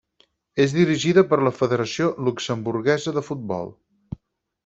És dirigida per la Federació Luxemburguesa de Futbol.